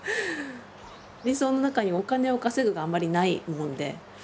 理想の中にお金を稼ぐがあんまりないもんで。